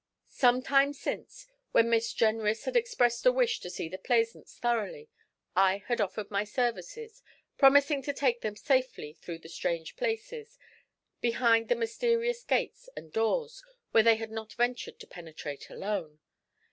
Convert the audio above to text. Some time since, when Miss Jenrys had expressed a wish to see the Plaisance thoroughly, I had offered my services, promising to take them safely through the strange places, behind the mysterious gates and doors, where they had not ventured to penetrate alone.